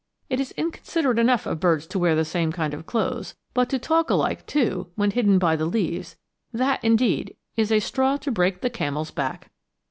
It is inconsiderate enough of birds to wear the same kind of clothes, but to talk alike too, when hidden by the leaves that, indeed, is a straw to break the camel's back.